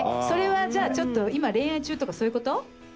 それはじゃあちょっと今恋愛中とかそういうこと？